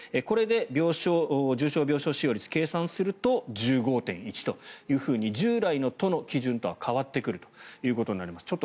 これで重症病床使用率を計算すると１５．１％というふうに従来の都の基準とは変わってくることになります。